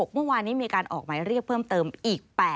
เมื่อวานนี้มีการออกหมายเรียกเพิ่มเติมอีก๘